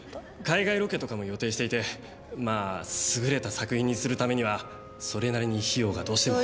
海外ロケとかも予定していてまあ優れた作品にするためにはそれなりに費用がどうしても。